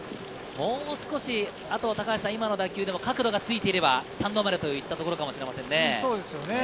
もう少し今の打球で角度がついていれば、スタンドまでといったところかもしれませんね。